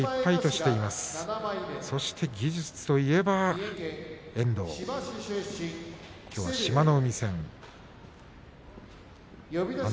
そして技術といえば土俵に上がった遠藤きょうは志摩ノ海戦です。